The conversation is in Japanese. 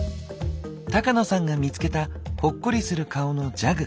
高野さんが見つけたほっこりする顔のジャグ。